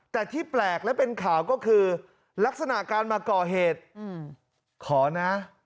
แต่ที่แปลกและเป็นข่าวก็คือลักษณะการมาก่อเหตุขอนะ